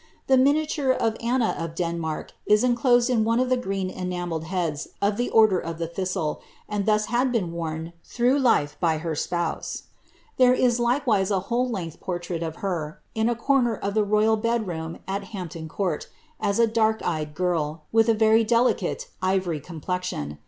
The miniature of Anna of Denmark is enclosed in one of the green enamelled heads of the Order of the Thistle, and thus had been worn through life by her spouse. There is likewise a whole length portrait of her, in a corner of the royal bed room at Hampton Court, as a dark eyed girl, with a very delicate ivory complexion.